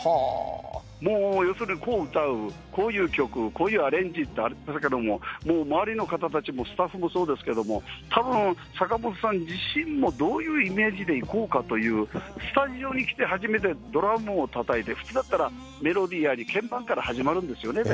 もう要するに、こう歌う、こういう曲、こういうアレンジだけれども、周りの方たちも、スタッフもそうですけども、たぶん坂本さん自身もどういうイメージでいこうかという、スタジオに来てはじめてドラムをたたいて、普通だったらメロディーなり鍵盤から始まるんですよね。